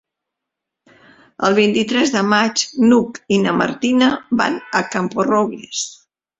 El vint-i-tres de maig n'Hug i na Martina van a Camporrobles.